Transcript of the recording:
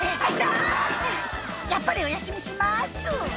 やっぱりお休みします」